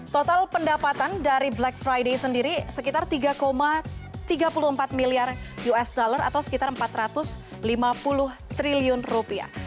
total pendapatan dari black friday sendiri sekitar tiga tiga puluh empat miliar usd atau sekitar empat ratus lima puluh triliun rupiah